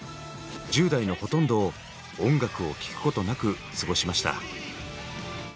１０代のほとんどを音楽を聴くことなく過ごしました。